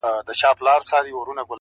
ما په سهار لس رکاته کړي وي~